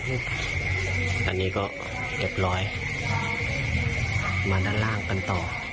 อันนี้ก็เรียบร้อยมาด้านล่างกันต่อ